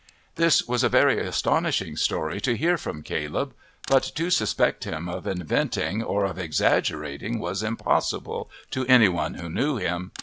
This was a very astonishing story to hear from Caleb, but to suspect him of inventing or of exaggerating was impossible to anyone who knew him.